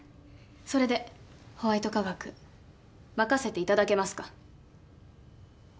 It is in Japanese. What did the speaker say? それでホワイト化学任せていただけますか？